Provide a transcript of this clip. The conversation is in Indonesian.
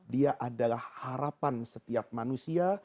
dia adalah harapan setiap manusia